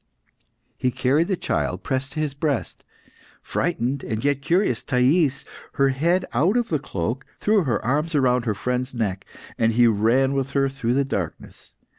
He carried the child pressed to his breast. Frightened and yet curious, Thais, her head out of the cloak, threw her arms round her friend's neck, and he ran with her through the darkness.